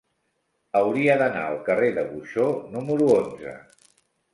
Hauria d'anar al carrer de Buxó número onze.